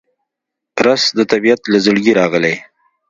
رس د طبیعت له زړګي راغلی